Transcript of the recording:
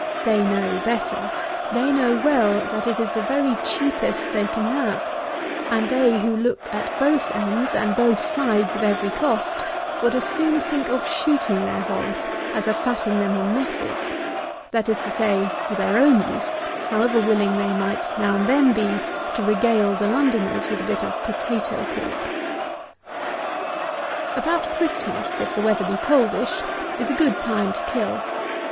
They know better. They know well, that it is the very cheapest they can have; and they, who look at both ends and both sides of every cost, would as soon think of shooting their hogs as of fatting them on messes; that is to say, for their own use, however willing they might now and then be to regale the Londoners with a bit of potato pork. 146. About Christmas, if the weather be coldish, is a good time to kill.